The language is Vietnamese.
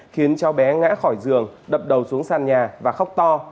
khiến cháu bé ngã khỏi giường đập đầu xuống sàn nhà và khóc to